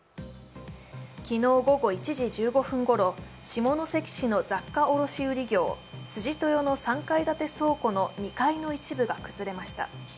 昨日午後１時１５分ごろ、下関市の雑貨卸売業・辻豊の３階建て倉庫の２階の一部が崩れました。